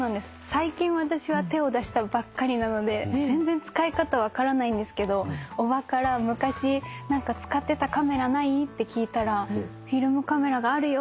最近私は手を出したばっかりなので全然使い方分からないんですけどおばから昔何か使ってたカメラない？って聞いたら「フィルムカメラがあるよ」って。